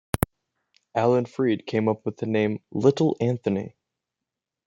Alan Freed came up with the name "Little Anthony".